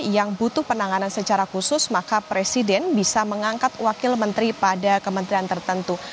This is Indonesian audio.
yang butuh penanganan secara khusus maka presiden bisa mengangkat wakil menteri pada kementerian tertentu